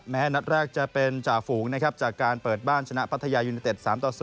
นัดแรกจะเป็นจ่าฝูงนะครับจากการเปิดบ้านชนะพัทยายูเนเต็ด๓ต่อ๐